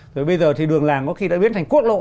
rồi bây giờ thì đường làng có khi đã biến thành quốc lộ